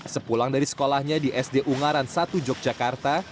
sepulang dari sekolahnya di sd ungaran satu yogyakarta